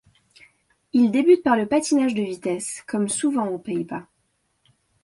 Il débute par le patinage de vitesse comme souvent aux Pays-Bas.